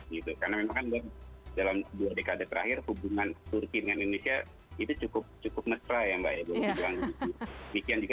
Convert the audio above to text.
karena memang kan dalam dua dekade terakhir hubungan turki dengan indonesia itu cukup mesra ya mbak edo